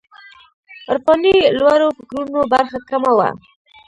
عرفاني لوړو فکرونو برخه کمه وه.